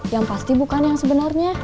yang pasti bukan yang sebenarnya